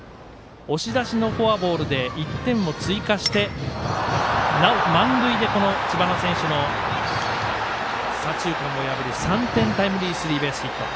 押し出しのフォアボールで１点を追加して、なお満塁で知花選手の左中間を破る３点タイムリースリーベースヒット。